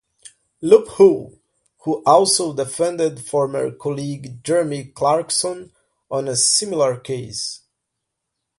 Loophole, who also defended former colleague Jeremy Clarkson on a similar case.